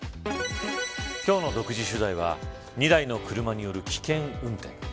今日の独自取材は２台の車による危険運転。